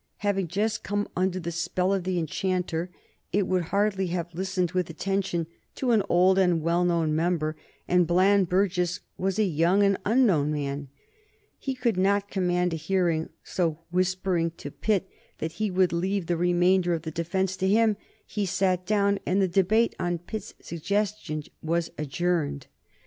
Having just come under "the spell of the enchanter," it would hardly have listened with attention to an old and well known member, and Bland Burges was a young and unknown man. He could not command a hearing, so, whispering to Pitt that he would leave the remainder of the defence to him, he sat down, and the debate, on Pitt's suggestion, was adjourned.